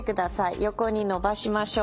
横に伸ばしましょう。